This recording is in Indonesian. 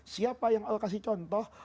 siapa yang allah kasih contoh